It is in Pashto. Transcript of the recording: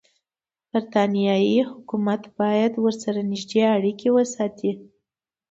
برټانیې حکومت باید ورسره نږدې اړیکې وساتي.